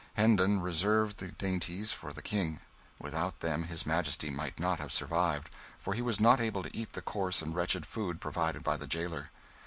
Hendon reserved the dainties for the King; without them his Majesty might not have survived, for he was not able to eat the coarse and wretched food provided by the jailer.